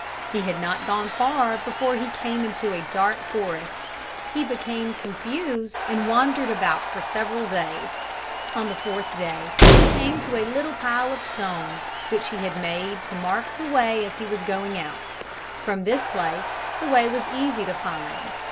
He had not gone far before he came into a dark forest. He became confused and wandered about for several days. On the fourth day he came to a little pile of stones, which he had made to mark the way as he was going out. From this place the way was easy to find.